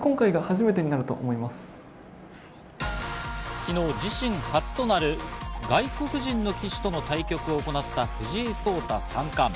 昨日、自身初となる外国人の棋士との対局を行った藤井聡太三冠。